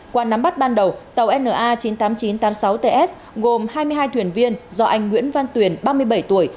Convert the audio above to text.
qua nắm bắt ban đầu tàu na chín mươi tám nghìn chín trăm tám mươi sáu ts gồm hai mươi hai thuyền viên do anh nguyễn văn tuyền ba mươi bảy tuổi